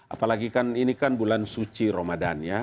apalagi ini kan bulan suci romadanya